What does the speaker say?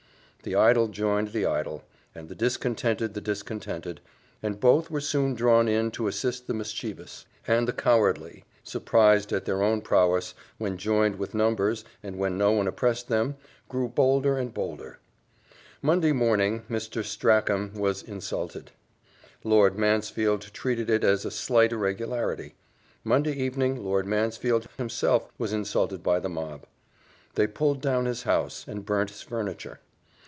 The idle joined the idle, and the discontented the discontented, and both were soon drawn in to assist the mischievous; and the cowardly, surprised at their own prowess, when joined with numbers, and when no one opposed them, grew bolder and bolder. Monday morning Mr. Strachan was insulted; Lord Mansfield treated it as a slight irregularity. Monday evening Lord Mansfield himself was insulted by the mob, they pulled down his house, and burnt his furniture.